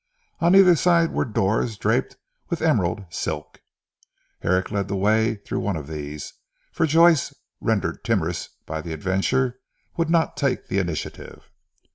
On either side were doors draped with emerald silk. Herrick led the way through one of these, for Joyce, rendered timorous by the adventure would not take the initiative.